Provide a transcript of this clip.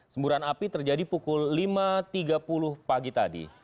semburan api terjadi pukul lima tiga puluh pagi tadi